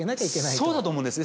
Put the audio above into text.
そうだと思うんですね